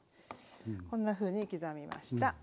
こんなふうに刻みました。